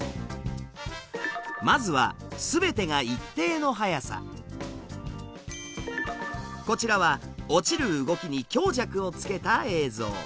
まずはすべてがこちらは落ちる動きに強弱をつけた映像。